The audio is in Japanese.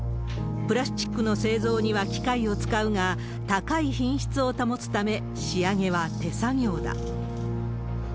プラスチックの製造には機械を使うが、高い品質を保つため、仕上げは手作業だ。